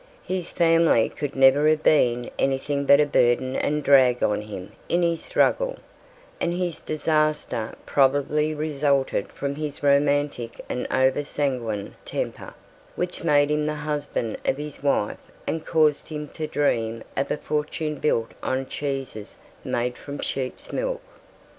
His family could never have been anything but a burden and drag on him in his struggle, and his disaster probably resulted from his romantic and over sanguine temper, which made him the husband of his wife and caused him to dream of a fortune built on cheeses made from sheep's milk.